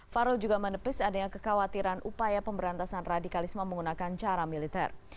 farul juga menepis adanya kekhawatiran upaya pemberantasan radikalisme menggunakan cara militer